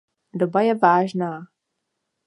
Doba je vážná.